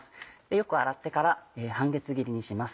よく洗ってから半月切りにします。